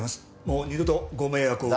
もう二度とご迷惑を。